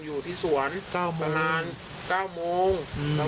อยู่ที่สวนประมาณ๙โมง